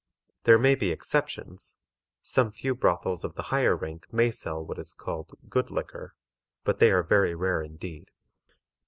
There may be exceptions; some few brothels of the higher rank may sell what is called "good liquor," but they are very rare indeed.